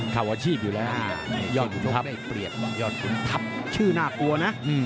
เข่าอาชีพอยู่แล้วยอดฝุ่นทัพชื่อน่ากลัวนะ